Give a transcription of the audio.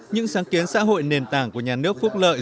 những sáng kiến xã hội nền tảng của nhà nước phúc lợi